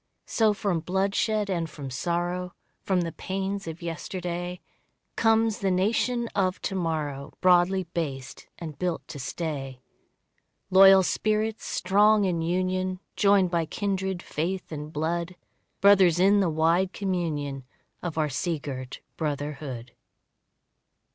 So from bloodshed and from sorrow, From the pains of yesterday, Comes the nation of to morrow Broadly based and built to stay. Loyal spirits strong in union, Joined by kindred faith and blood; Brothers in the wide communion Of our sea girt brotherhood.